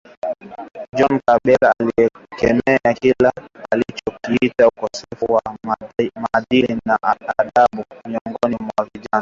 John Kabera alikemea kile alichokiita ukosefu wa maadili na adabu miongoni mwa vijana